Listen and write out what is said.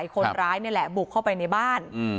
คนร้ายนี่แหละบุกเข้าไปในบ้าน